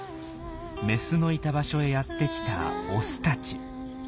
メスのいた場所へやってきたオスたち。